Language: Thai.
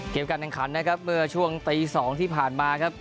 เกมการต่างขัดนะครับเมื่อช่วงตีสองที่ผ่านมาครับ